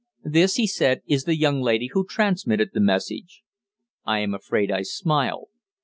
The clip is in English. "This," he said, "is the young lady who transmitted the message." I am afraid I smiled.